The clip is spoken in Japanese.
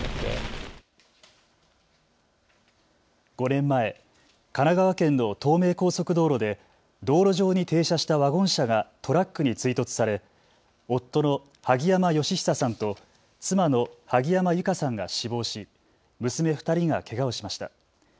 ５年前、神奈川県の東名高速道路で道路上に停車したワゴン車がトラックに追突され夫の萩山嘉久さんと妻の萩山友香さんが死亡し娘２人がけがをしました。